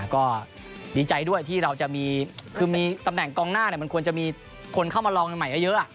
ก็ดีใจด้วยที่ตำแหน่งกองหน้ามันควรจะมีคนเข้ามาลองใหม่เยอะ